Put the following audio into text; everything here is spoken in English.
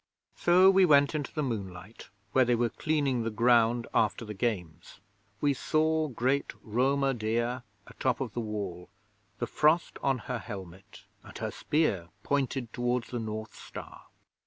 'So we went into the moonlight, where they were cleaning the ground after the Games. We saw great Roma Dea atop of the Wall, the frost on her helmet, and her spear pointed towards the North Star.